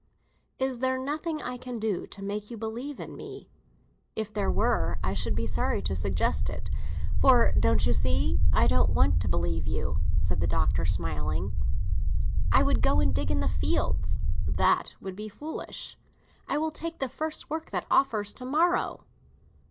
"Is there nothing I can do to make you believe in me?" "If there were I should be sorry to suggest it, for—don't you see?—I don't want to believe in you!" said the Doctor, smiling. "I would go and dig in the fields." "That would be foolish." "I will take the first work that offers, to morrow."